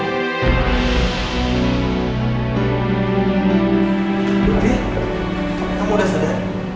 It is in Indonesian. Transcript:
ibu kamu udah sadar